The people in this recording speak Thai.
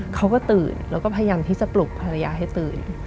เขาก็ตื่นแล้วก็พยายามที่จะปลุกภรรยาให้ตื่น